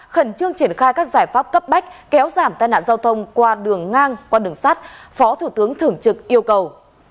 khẩn trương triển khai các giải pháp cấp bách kéo giảm tai nạn giao thông qua đường ngang qua đường sắt phó thủ tướng thưởng trực yêu cầu